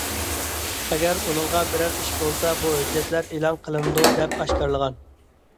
ئەگەر ئۇنىڭغا بىرەر ئىش بولسا، بۇ ھۆججەتلەر ئېلان قىلىنىدۇ دەپ ئاشكارىلىغان.